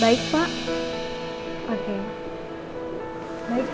baik pak terima kasih